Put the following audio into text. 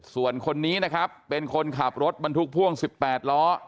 ส่วนคนนี้นะครับเป็นคนขับรถบรรทุกพ่วง๑๘ล้อ